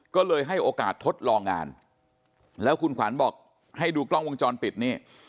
ก็เลยให้โอกาสทดลองงานแล้วคุณขวัญบอกให้ดูกล้องวงจรปิดนี่